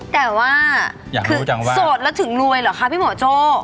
แต่ว่าคือโสดและถึงรวยเหรอคะพี่หมอโจ้